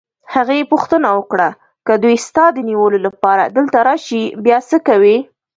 هغې پوښتنه وکړه: که دوی ستا د نیولو لپاره دلته راشي، بیا څه کوې؟